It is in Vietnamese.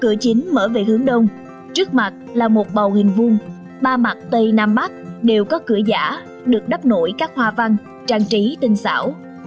cửa chính mở về hướng đông trước mặt là một bầu hình vuông ba mặt tây nam bắc đều có cửa giả được đắp nổi các hoa văn trang trí tinh xảo